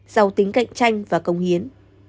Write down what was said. giàu tính cạnh tranh và công hiến